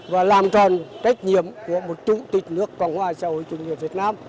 và làm tròn trách nhiệm của một chủ tịch nước cộng hòa xã hội chủ nghĩa việt nam